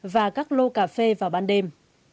và các lô cà phê vào ban đêm